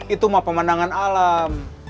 itu mah pemandangan alam